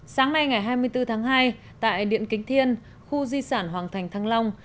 sáng nay ngày hai mươi bốn tháng hai tại điện kính thiên khu di sản hoàng thành thăng long